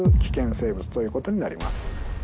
生物ということになります